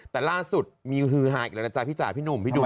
แต่ล่าสุดมีฮือฮาอีกแล้วนะจ๊ะพี่จ๋าพี่หนุ่มพี่หนุ่ม